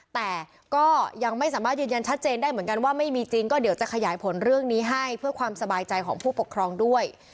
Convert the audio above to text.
แต่ก็ยังไม่สามารถยืนยันชัดเจนได้เหมือนกันว่าไม่มีจริงก็เดี๋ยวจะขยายผลเรื่องนี้ให้เพื่อความสบายใจของผู้ปกครองด้วย